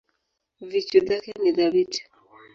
Vichu dhake ni thabiti